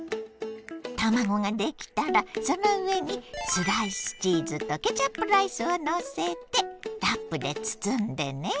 卵ができたらその上にスライスチーズとケチャップライスをのせてラップで包んでね。